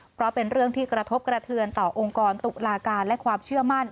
เพราะเป็นเรื่องที่กระทบกระเทือนต่อองค์กรตุลาการและความเชื่อมั่น